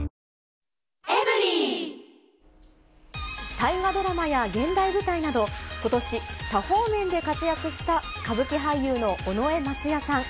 大河ドラマや現代舞台など、ことし、多方面で活躍した歌舞伎俳優の尾上松也さん。